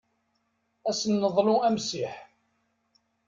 Ad sen-neḍlu amsiḥ.